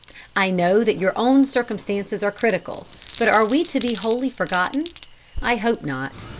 I know that your own circumstances are critical; but are we to be wholly forgotten? I hope not.